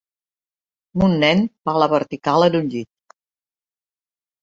Un nen fa la vertical en un llit.